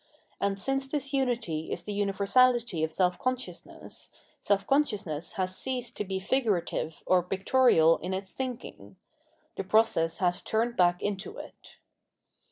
And since this unity is the universahty of self consciousness, self consciousness has ceased to be figurative or pictorial in its thinking; the process has turned back into it.